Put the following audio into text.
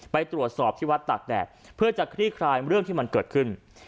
ไปตรวจสอบที่วัดตากแดดเพื่อจะคลี่คลายเรื่องที่มันเกิดขึ้น